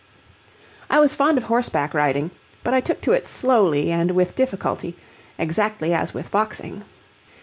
I was fond of horseback riding, but I took to it slowly and with difficulty, exactly as with boxing.